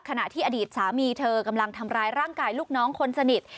ขณะที่อดีตสามีเธอกำลังทำร้ายร่างกายลูกน้องคนสนิท